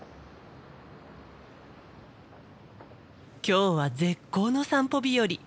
今日は絶好の散歩日和。